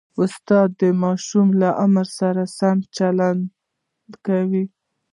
استاد د ماشوم له عمر سره سم چلند کوي.